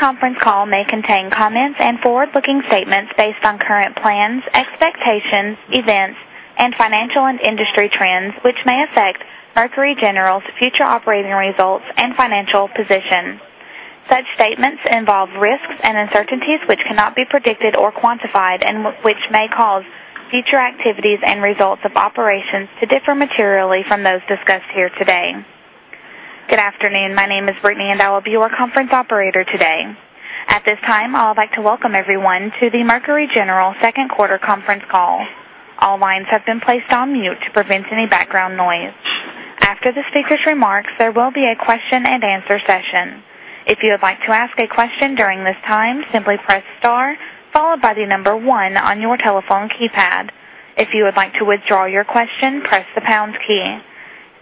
This conference call may contain comments and forward-looking statements based on current plans, expectations, events, and financial and industry trends, which may affect Mercury General's future operating results and financial position. Such statements involve risks and uncertainties which cannot be predicted or quantified, and which may cause future activities and results of operations to differ materially from those discussed here today. Good afternoon. My name is Brittany, and I will be your conference operator today. At this time, I would like to welcome everyone to the Mercury General second quarter conference call. All lines have been placed on mute to prevent any background noise. After the speaker's remarks, there will be a question-and-answer session. If you would like to ask a question during this time, simply press star followed by the number 1 on your telephone keypad. If you would like to withdraw your question, press the pound key. Thank you.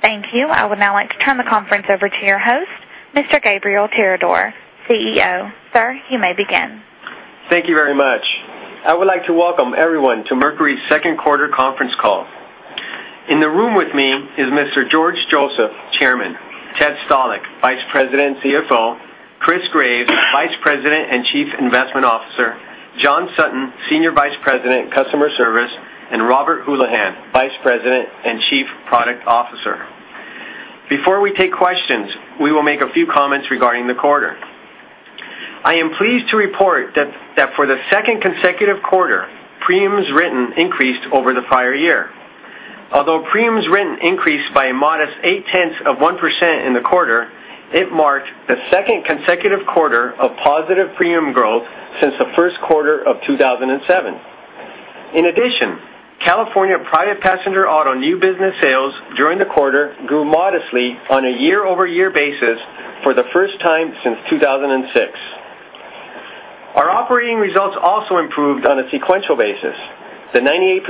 I would now like to turn the conference over to your host, Mr. Gabriel Tirador, CEO. Sir, you may begin. Thank you very much. I would like to welcome everyone to Mercury's second quarter conference call. In the room with me is Mr. George Joseph, Chairman, Theodore Stalick, Vice President, CFO, Christopher Graves, Vice President and Chief Investment Officer, John Sutton, Senior Vice President, Customer Service, and Robert Houlihan, Vice President and Chief Product Officer. Before we take questions, we will make a few comments regarding the quarter. I am pleased to report that for the second consecutive quarter, premiums written increased over the prior year. Although premiums written increased by a modest eight-tenths of 1% in the quarter, it marked the second consecutive quarter of positive premium growth since the first quarter of 2007. In addition, California private passenger auto new business sales during the quarter grew modestly on a year-over-year basis for the first time since 2006. Our operating results also improved on a sequential basis. The 98%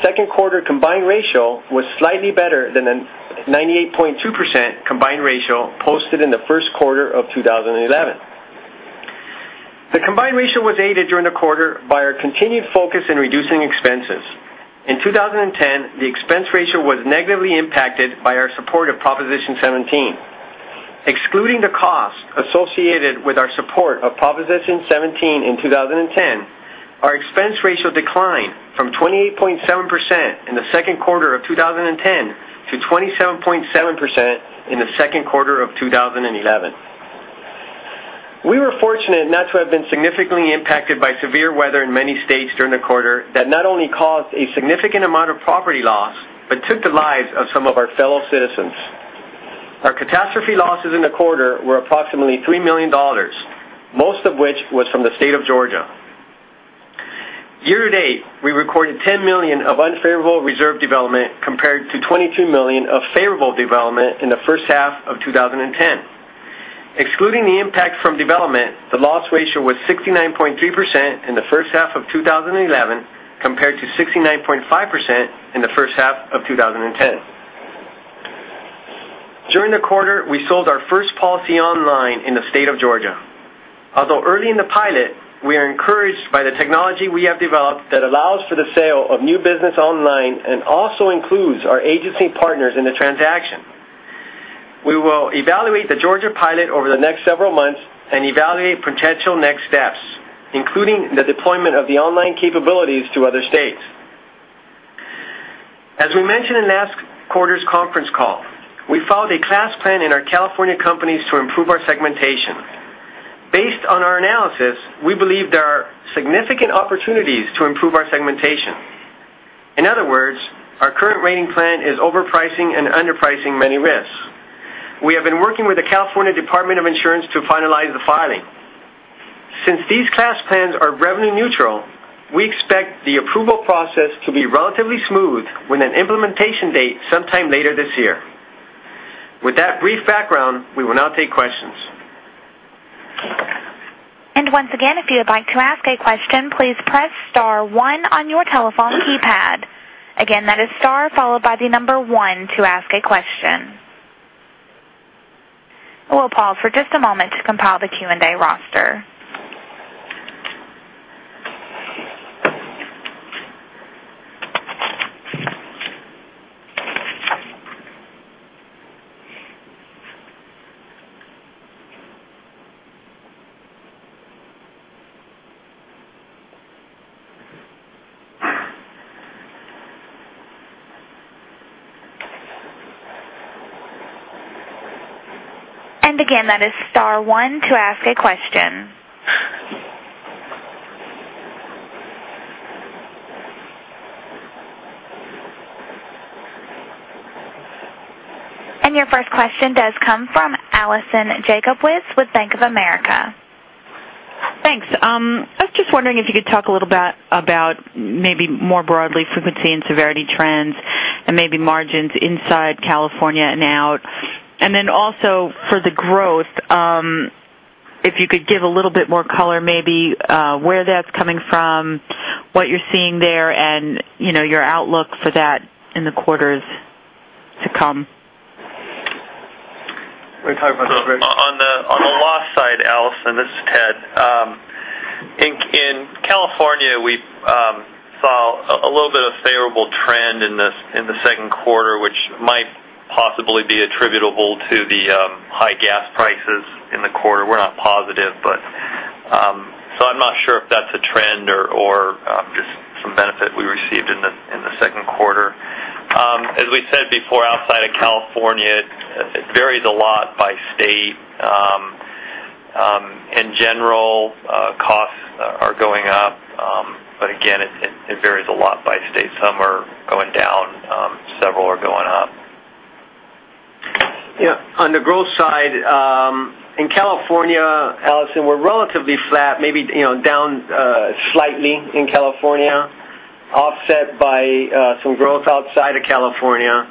second quarter combined ratio was slightly better than the 98.2% combined ratio posted in the first quarter of 2011. The combined ratio was aided during the quarter by our continued focus in reducing expenses. In 2010, the expense ratio was negatively impacted by our support of Proposition 17. Excluding the cost associated with our support of Proposition 17 in 2010, our expense ratio declined from 28.7% in the second quarter of 2010 to 27.7% in the second quarter of 2011. We were fortunate not to have been significantly impacted by severe weather in many states during the quarter that not only caused a significant amount of property loss but took the lives of some of our fellow citizens. Our catastrophe losses in the quarter were approximately $3 million, most of which was from the state of Georgia. Year-to-date, we recorded $10 million of unfavorable reserve development compared to $22 million of favorable development in the first half of 2010. Excluding the impact from development, the loss ratio was 69.3% in the first half of 2011, compared to 69.5% in the first half of 2010. During the quarter, we sold our first policy online in the state of Georgia. Although early in the pilot, we are encouraged by the technology we have developed that allows for the sale of new business online and also includes our agency partners in the transaction. We will evaluate the Georgia pilot over the next several months and evaluate potential next steps, including the deployment of the online capabilities to other states. As we mentioned in last quarter's conference call, we filed a class plan in our California companies to improve our segmentation. Based on our analysis, we believe there are significant opportunities to improve our segmentation. In other words, our current rating plan is overpricing and underpricing many risks. We have been working with the California Department of Insurance to finalize the filing. Since these class plans are revenue neutral, we expect the approval process to be relatively smooth with an implementation date sometime later this year. With that brief background, we will now take questions. Once again, if you would like to ask a question, please press star one on your telephone keypad. Again, that is star followed by the number one to ask a question. We'll pause for just a moment to compile the Q&A roster. Again, that is star one to ask a question. Your first question does come from Alison Jacobowitz with Bank of America. Thanks. I was just wondering if you could talk a little bit about maybe more broadly frequency and severity trends and maybe margins inside California and out. Also for the growth, if you could give a little bit more color, maybe where that's coming from, what you're seeing there, and your outlook for that in the quarters to come. We're talking about the-. On the loss side, Alison, this is Ted. Possibly be attributable to the high gas prices in the quarter. We're not positive. I'm not sure if that's a trend or just some benefit we received in the second quarter. As we said before, outside of California, it varies a lot by state. In general, costs are going up, again, it varies a lot by state. Some are going down, several are going up. On the growth side, in California, Alison, we're relatively flat, maybe down slightly in California, offset by some growth outside of California,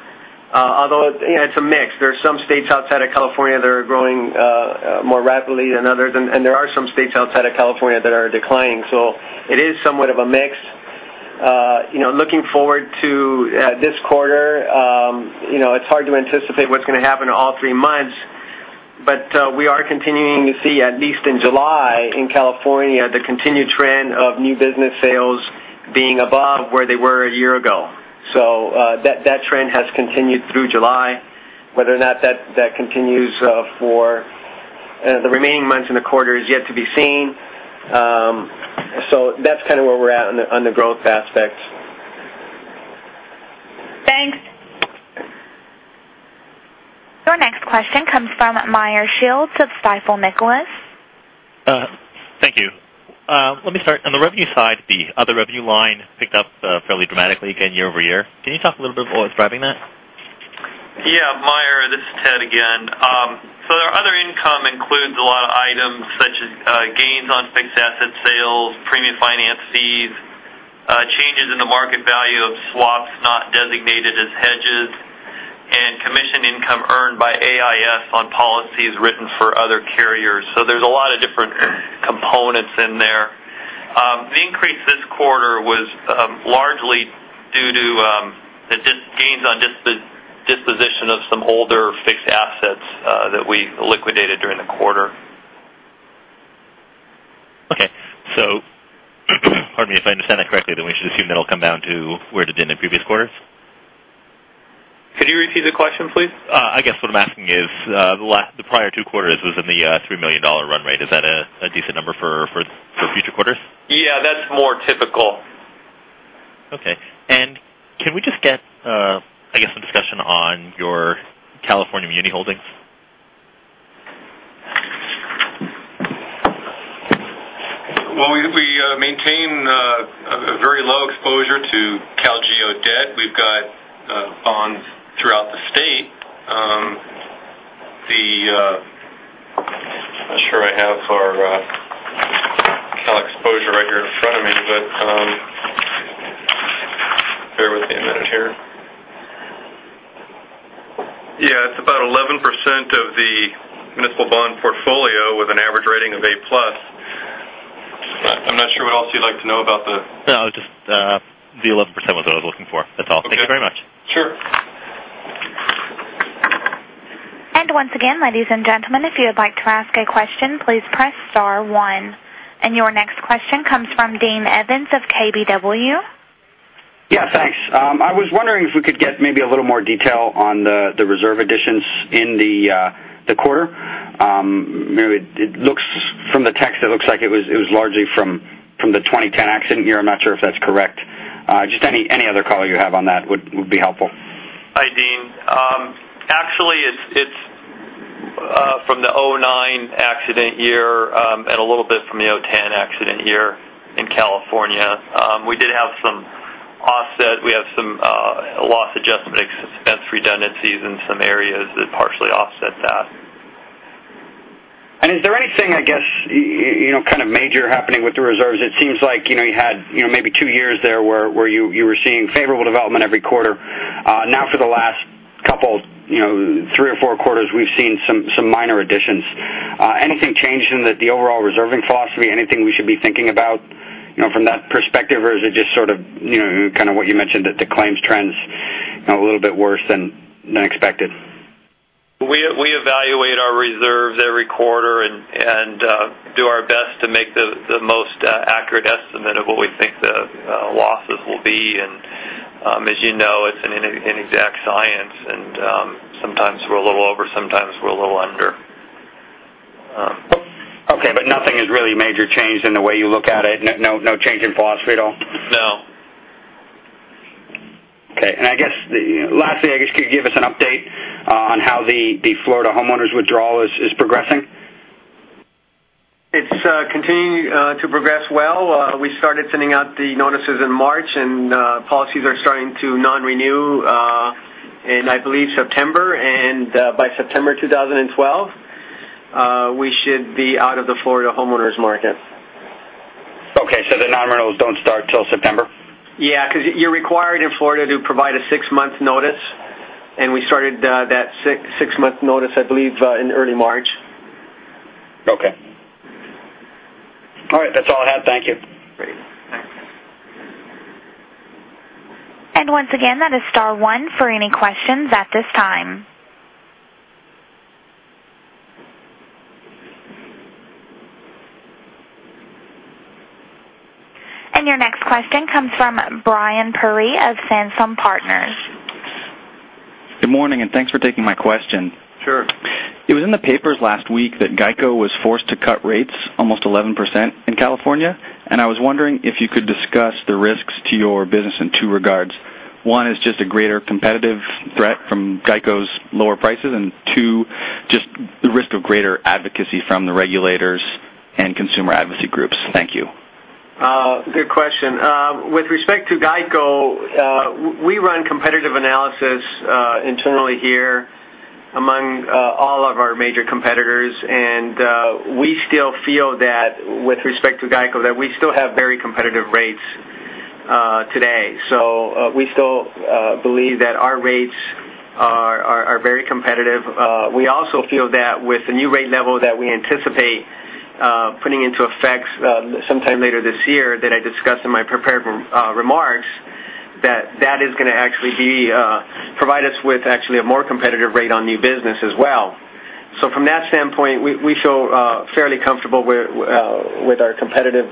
although it's a mix. There are some states outside of California that are growing more rapidly than others, and there are some states outside of California that are declining. It is somewhat of a mix. Looking forward to this quarter, it's hard to anticipate what's going to happen all three months, we are continuing to see, at least in July in California, the continued trend of new business sales being above where they were a year ago. That trend has continued through July. Whether or not that continues for the remaining months in the quarter is yet to be seen. That's kind of where we're at on the growth aspects. Thanks. Your next question comes from Meyer Shields of Stifel Nicolaus. Thank you. Let me start. On the revenue side, the other revenue line picked up fairly dramatically again year-over-year. Can you talk a little bit about what's driving that? Meyer, this is Ted again. Our other income includes a lot of items such as gains on fixed asset sales, premium finance fees, changes in the market value of swaps not designated as hedges, and commission income earned by AIS on policies written for other carriers. There's a lot of different components in there. The increase this quarter was largely due to the gains on disposition of some older fixed assets that we liquidated during the quarter. Okay. Pardon me, if I understand that correctly, we should assume that'll come down to where it did in the previous quarters? Could you repeat the question, please? I guess what I'm asking is, the prior two quarters was in the $3 million run rate. Is that a decent number for future quarters? Yeah, that's more typical. Okay. Can we just get, I guess, some discussion on your California muni holdings? Well, we maintain a very low exposure to Cal GO debt. We've got bonds throughout the state. I'm not sure I have our Cal exposure right here in front of me, but bear with me a minute here. Yeah, it's about 11% of the municipal bond portfolio with an average rating of A+. I'm not sure what else you'd like to know about the. No, just the 11% was what I was looking for. That's all. Okay. Thank you very much. Sure. Once again, ladies and gentlemen, if you would like to ask a question, please press star one. Your next question comes from Dean Evans of KBW. Yeah, thanks. I was wondering if we could get maybe a little more detail on the reserve additions in the quarter. From the text, it looks like it was largely from the 2010 accident year. I'm not sure if that's correct. Just any other color you have on that would be helpful. Hi, Dean. Actually, it's from the 2009 accident year, and a little bit from the 2010 accident year in California. We did have some offset. We have some loss adjustment expense redundancies in some areas that partially offset that. Is there anything, I guess, kind of major happening with the reserves? It seems like you had maybe two years there where you were seeing favorable development every quarter. Now for the last couple, three or four quarters, we've seen some minor additions. Anything changed in the overall reserving philosophy? Anything we should be thinking about from that perspective? Is it just sort of what you mentioned, that the claims trends a little bit worse than expected? We evaluate our reserves every quarter and do our best to make the most accurate estimate of what we think the losses will be. As you know, it's an inexact science, and sometimes we're a little over, sometimes we're a little under. Okay, nothing has really major changed in the way you look at it? No change in philosophy at all? No. Okay. I guess, lastly, could you give us an update on how the Florida homeowners withdrawal is progressing? It's continuing to progress well. We started sending out the notices in March, policies are starting to non-renew in, I believe, September. By September 2012, we should be out of the Florida homeowners market. Okay, the non-renewals don't start till September? Yeah, because you're required in Florida to provide a six-month notice. We started that six-month notice, I believe, in early March. Okay. All right. That's all I have. Thank you. Great. Once again, that is star one for any questions at this time. Your next question comes from Brian Pere of Sansone Partners. Good morning, thanks for taking my question. Sure. It was in the papers last week that GEICO was forced to cut rates almost 11% in California. I was wondering if you could discuss the risks to your business in two regards. One is just a greater competitive threat from GEICO's lower prices, two, just the risk of greater advocacy from the regulators and consumer advocacy groups. Thank you. Good question. With respect to GEICO, we run competitive analysis internally here among all of our major competitors. We still feel that, with respect to GEICO, that we still have very competitive rates today. We still believe that our rates are very competitive. We also feel that with the new rate level that we anticipate putting into effect sometime later this year, that I discussed in my prepared remarks, that is going to actually provide us with a more competitive rate on new business as well. From that standpoint, we feel fairly comfortable with our competitive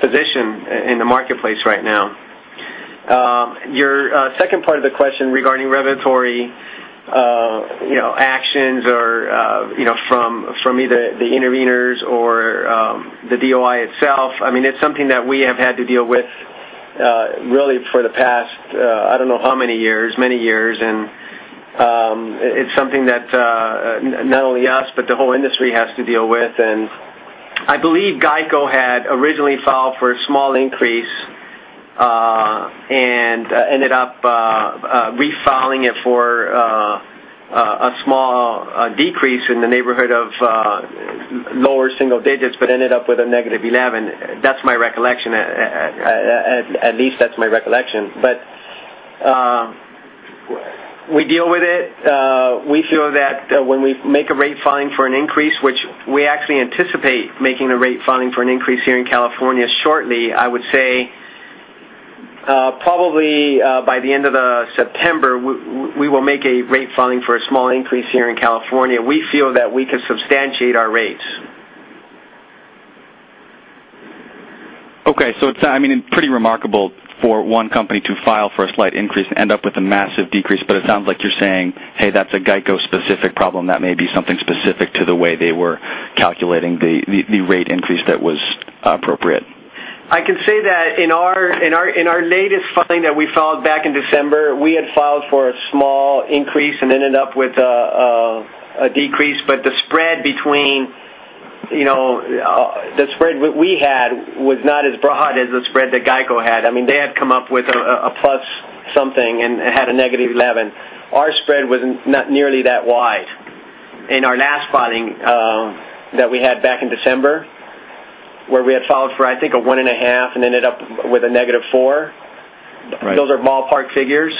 position in the marketplace right now. Your second part of the question regarding regulatory actions from either the interveners or the DOI itself, it's something that we have had to deal with really for the past, I don't know how many years, many years. It's something that not only us but the whole industry has to deal with. I believe GEICO had originally filed for a small increase and ended up refiling it for a small decrease in the neighborhood of lower single digits but ended up with a -11. At least that's my recollection. We deal with it. We feel that when we make a rate filing for an increase, which we actually anticipate making a rate filing for an increase here in California shortly, I would say probably by the end of September, we will make a rate filing for a small increase here in California. We feel that we can substantiate our rates. Okay. It's pretty remarkable for one company to file for a slight increase and end up with a massive decrease. It sounds like you're saying, hey, that's a GEICO specific problem. That may be something specific to the way they were calculating the rate increase that was appropriate. I can say that in our latest filing that we filed back in December, we had filed for a small increase and ended up with a decrease. The spread we had was not as broad as the spread that GEICO had. They had come up with a plus something and had a negative 11. Our spread was not nearly that wide. In our last filing that we had back in December where we had filed for, I think, a one and a half and ended up with a negative four. Right. Those are ballpark figures.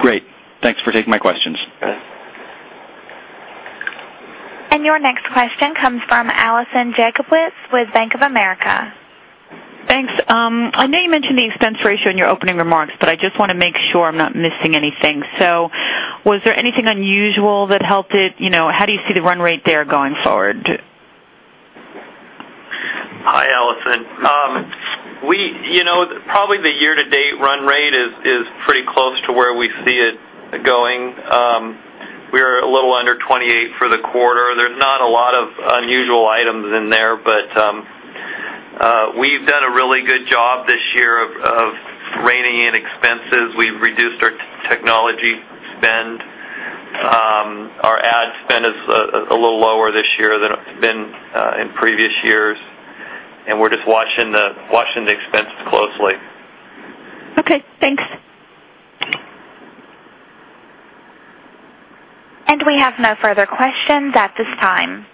Great. Thanks for taking my questions. Your next question comes from Alison Jacobowitz with Bank of America. Thanks. I know you mentioned the expense ratio in your opening remarks, but I just want to make sure I'm not missing anything. Was there anything unusual that helped it? How do you see the run rate there going forward? Hi, Alison. Probably the year-to-date run rate is pretty close to where we see it going. We're a little under 28 for the quarter. There's not a lot of unusual items in there, but we've done a really good job this year of reining in expenses. We've reduced our technology spend. Our ad spend is a little lower this year than it's been in previous years, and we're just watching the expenses closely. Okay, thanks. We have no further questions at this time.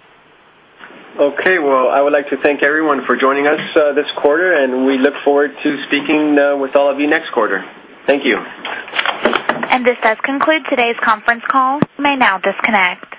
Okay. Well, I would like to thank everyone for joining us this quarter. We look forward to speaking with all of you next quarter. Thank you. This does conclude today's conference call. You may now disconnect.